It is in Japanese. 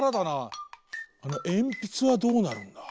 あのえんぴつはどうなるんだ？